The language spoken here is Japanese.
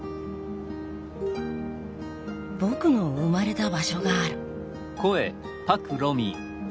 僕の生まれた場所がある。